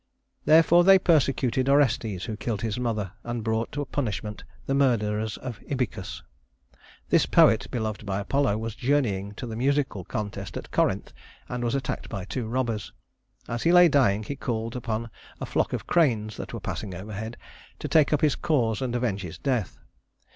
Therefore they persecuted Orestes, who killed his mother, and brought to punishment the murderers of Ibycus. This poet, beloved by Apollo, was journeying to the musical contest at Corinth, and was attacked by two robbers. As he lay dying he called upon a flock of cranes, that were passing overhead, to take up his cause and avenge his death.